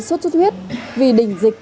suốt chút huyết vì đỉnh dịch